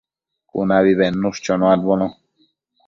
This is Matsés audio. cunabi bednush chonuadbono